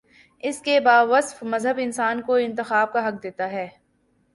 اس کے باوصف مذہب انسان کو انتخاب کا حق دیتا ہے۔